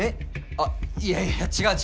あいやいや違う違う。